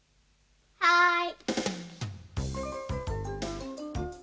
はい。